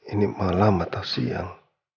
ini malam atau siang